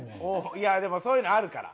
いやでもそういうのあるから。